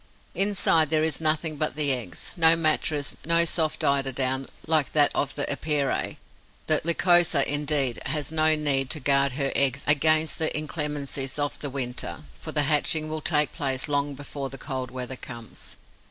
Inside, there is nothing but the eggs: no mattress, no soft eiderdown, like that of the Epeirae. The Lycosa, indeed, has no need to guard her eggs against the inclemencies of the winter, for the hatching will take place long before the cold weather comes.